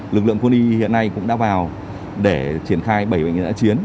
lực lượng quân y hiện nay cũng đã vào để triển khai bảy bệnh nhân đã chiến